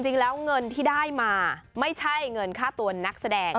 จริงแล้วเงินที่ได้มาไม่ใช่เงินค่าตัวนักแสดง